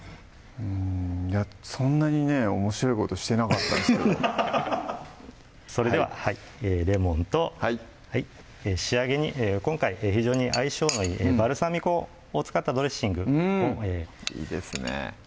うんそんなにねおもしろいことしてなかったんですけどそれでははいレモンと仕上げに今回非常に相性のいいバルサミコを使ったドレッシングをいいですね